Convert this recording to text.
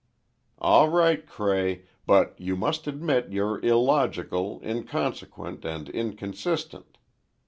"All right, Cray, but you must admit you're illogical, inconsequent and inconsistent.